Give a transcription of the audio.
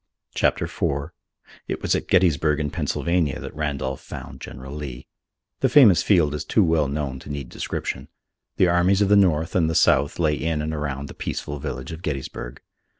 CHAPTER IV It was at Gettysburg in Pennsylvania that Randolph found General Lee. The famous field is too well known to need description. The armies of the North and the South lay in and around the peaceful village of Gettysburg.